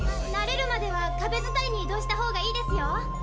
慣れるまではかべづたいに移動した方がいいですよ。